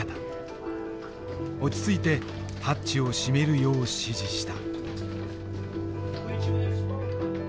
落ち着いてハッチを閉めるよう指示した。